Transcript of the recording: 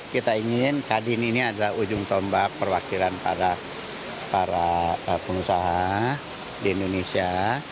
kita ingin kadin ini adalah ujung tombak perwakilan para pengusaha di indonesia